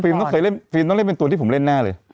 ต้องเคยเล่นฟิล์มต้องเล่นเป็นตัวที่ผมเล่นแน่เลย